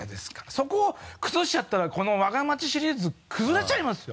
そこを崩しちゃったらこの「わが町」シリーズ崩れちゃいますよ。